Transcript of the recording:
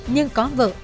nhưng có vợ